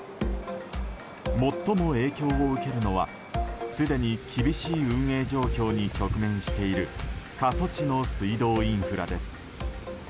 最も影響を受けるのはすでに厳しい運営状況に直面している過疎地の水道インフラです。